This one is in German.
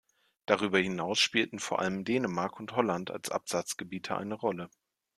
Darüber hinaus spielten vor allem Dänemark und Holland als Absatzgebiete eine Rolle.